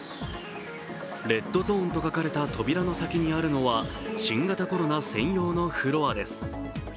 レッドゾーンと書かれた扉の先にあるのは新型コロナ専用のフロアです。